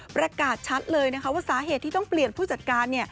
ประกาศชัดเลยนะคะว่าสาเหตุที่ต้องเปลี่ยนผู้จัดการ